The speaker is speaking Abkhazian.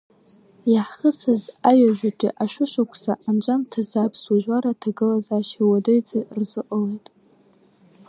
Иаҳхысыз аҩажәатәи ашәышықәса анҵәамҭазы аԥсуа жәлар аҭагылазаашьа уадаҩӡа рзыҟалеит.